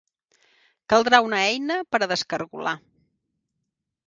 Caldrà una eina per a descargolar.